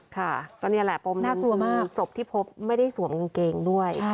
ค่ะตอนนี้แหละปมนึงคือศพที่พบไม่ได้สวมกางเกงด้วย